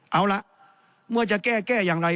เอาล่ะเมื่อจะแก้แก้อย่างไร